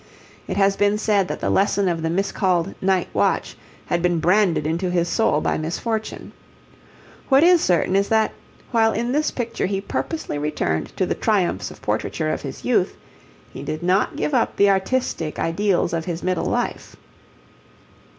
It has been said that the lesson of the miscalled 'Night Watch' had been branded into his soul by misfortune. What is certain is that, while in this picture he purposely returned to the triumphs of portraiture of his youth, he did not give up the artistic ideals of his middle life.